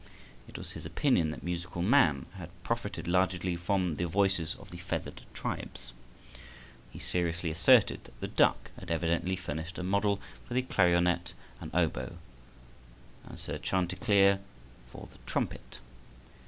It was his opinion that musical man had profited largely from the voices of the feathered tribes. He seriously asserted that the duck had evidently furnished a model for the clarionet and oboe, and Sir Chanticleer for the trumpet.